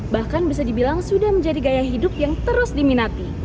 bahkan bisa dibilang sudah menjadi gaya hidup yang terus diminati